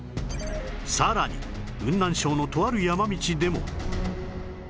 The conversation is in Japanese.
さらに雲南省のとある山道でも